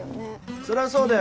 そりゃそうだよ